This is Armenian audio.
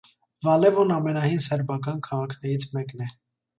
Վալևոն ամենահին սերբական քաղաքներից մեկն է։